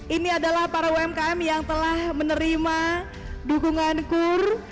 ini adalah para umkm yang telah menerima dukungan kur